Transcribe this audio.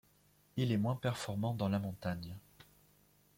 Il est moins performant dans la Montagne.